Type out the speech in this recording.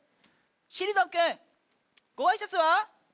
しりぞん君ごあいさつは？